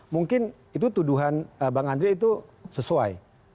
mungkin itu tuduhan bang andre itu sesuai